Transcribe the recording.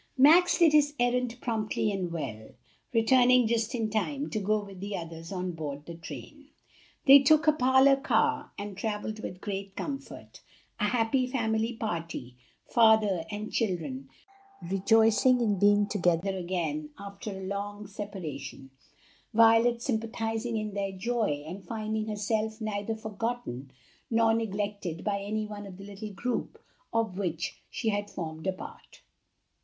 Max did his errand promptly and well, returning just in time to go with the others on board the train. They took a parlor car and travelled with great comfort, a happy family party, father and children rejoicing in being together again after a long separation, Violet sympathizing in their joy and finding herself neither forgotten nor neglected by any one of the little group of which she formed a part.